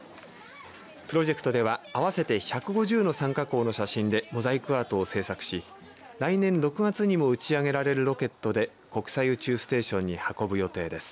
プロジェクトでは合わせて１５０の参加校の写真でモザイクアートを制作し来年６月にも打ち上げられるロケットで国際宇宙ステーションに運ぶ予定です。